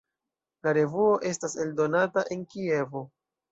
La revuo estas eldonata en Kievo.